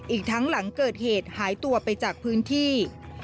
อีกทั้งหลังเกิดเหตุหายตัวไปจากพื้นที่